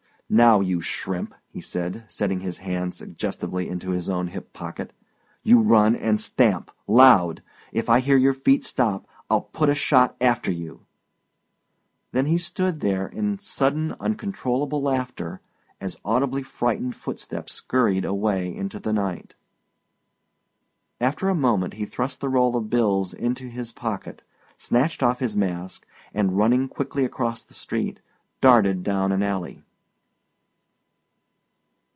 "Now, you shrimp," he said, setting his hand suggestively to his own hip pocket, "you run, and stamp loud! If I hear your feet stop I'll put a shot after you!" Then he stood there in sudden uncontrollable laughter as audibly frightened footsteps scurried away into the night. After a moment he thrust the roll of bills into his pocket, snatched off his mask, and running quickly across the street, darted down an alley.